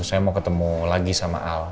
saya mau ketemu lagi sama al